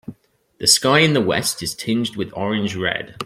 The sky in the west is tinged with orange red.